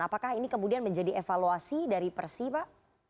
apakah ini kemudian menjadi evaluasi dari persi pak